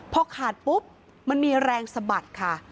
พอขาดปุ๊บมันมีแรงสะบัดค่ะ